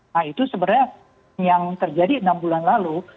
nah itu sebenarnya yang terjadi enam bulan lalu